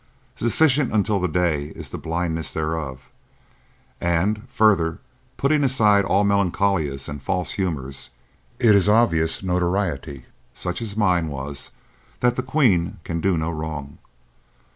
Sufficient unto the day is the blindness thereof, and, further, putting aside all Melancolias and false humours, it is of obvious notoriety—such as mine was—that the queen can do no wrong.